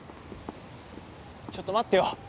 ちょっと待ってよ。